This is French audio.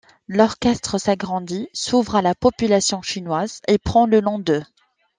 L'orchestre s'agrandit, s'ouvre à la population chinoise et prend le nom de '.